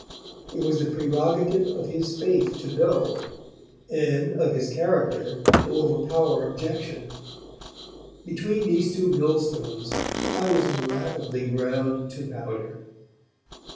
It was the prerogative of his faith to know, and of his character to overpower objection; between these two millstones I was rapidly ground to powder.